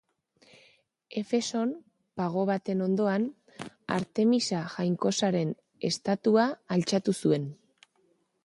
Efeson, pago baten ondoan, Artemisa jainkosaren estatua altxatu zuen.